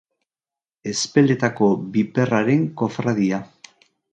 Ezpeletako Biperraren Kofradia.